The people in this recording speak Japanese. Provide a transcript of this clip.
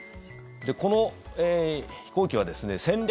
この飛行機はですね戦略